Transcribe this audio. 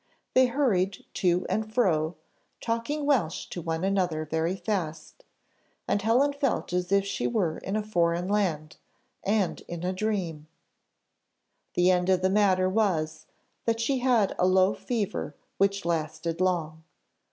They hurried to and fro, talking Welsh to one another very fast; and Helen felt as if she were in a foreign land, and in a dream. The end of the matter was, that she had a low fever which lasted long.